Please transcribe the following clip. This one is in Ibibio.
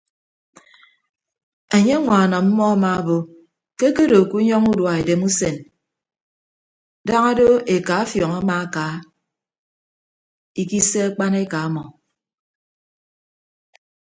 Enye ñwaan ọmmọ amaabo ke akedo ke unyọñọ udua edem usen daña do eka afiọñ amaaka ikise akpaneka ọmọ.